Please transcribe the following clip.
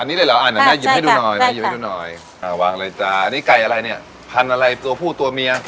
อันนี้เลยเหรออ่านหน่อยแม่หยิบให้ดูหน่อยแม่ยุ้ยดูหน่อยอ่าวางเลยจ้ะอันนี้ไก่อะไรเนี่ยพันธุ์อะไรตัวผู้ตัวเมีย